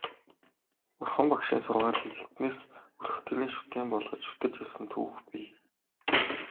Бурхан Багшийн сургаалыг эртнээс өрх гэрийн шүтээн болгож шүтэж ирсэн түүх бий.